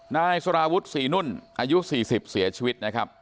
นายสารวุฒิศรีนุ่นอายุ๔๐เสียชีวิตนะครับ